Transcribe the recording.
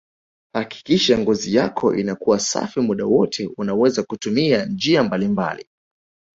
Hakikisha ngozi yako inakuwa safi muda wote unaweza kutumia njia mbalimbali